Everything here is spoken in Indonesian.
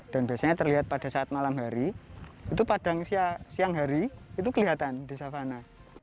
dan biasanya terlihat pada saat malam hari itu pada siang hari itu kelihatan di savana